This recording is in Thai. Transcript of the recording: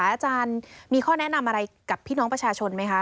อาจารย์มีข้อแนะนำอะไรกับพี่น้องประชาชนไหมคะ